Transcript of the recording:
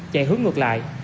chạy hướng ngược lại